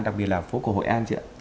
đặc biệt là phố cầu hội an chị ạ